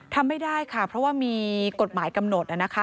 ทำไม่ได้ค่ะเพราะว่ามีกฎหมายกำหนดนะคะ